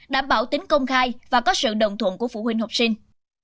đảm bảo tính công khai và có sự đồng thuận của phụ huynh học sinh